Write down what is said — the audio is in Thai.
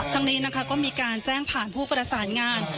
ทั้งนี้นะคะก็มีการแจ้งผ่านผู้ประสานงาน